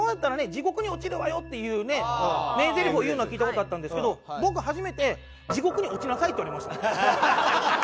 「地獄に落ちるわよ」っていうね名ぜりふを言うのは聞いた事あったんですけど僕初めて「地獄に落ちなさい」って言われました。